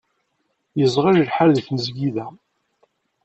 Yezɣel lḥal deg tmezgida.